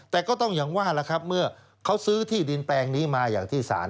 แต่ก็ต้องอย่างว่าล่ะครับเมื่อเขาซื้อที่ดินแปลงนี้มาอย่างที่ศาล